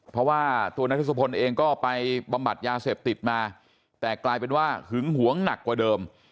เพราะว่าตัวนายทศพลเองก็ไปบำบัดยาเสพติดมาแต่กลายเป็นว่าหึงหวงหนักกว่าเดิม